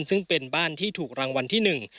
ซึ่งเป็นบ้านที่ถูกรางวัลที่หนึ่ง